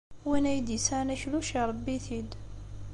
Win ay d-yesɛan akluc, iṛebbi-t-id.